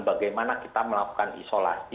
bagaimana kita melakukan isolasi